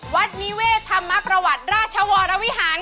วัดมิเวธธรรมประวัติราชวรวรวิหารค่ะ